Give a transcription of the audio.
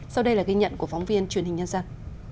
sau đây là ghi nhận của phóng viên truyền hình nhân dân